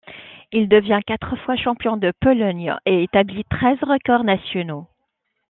Il devient quatre fois champion de Pologne et établit treize records nationaux.